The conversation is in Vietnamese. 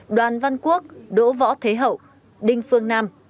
đoàn văn quốc đỗ võ thế hậu đinh phương nam